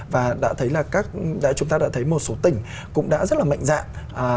và chúng ta đã thấy một số tỉnh cũng đã rất là mạnh dạng